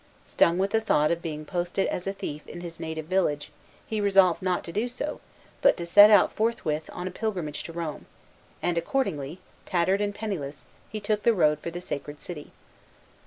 Stung with the thought of being posted as a thief in his native village, he resolved not to do so, but to set out forthwith on a pilgrimage to Rome; and accordingly, tattered and penniless, he took the road for the sacred city.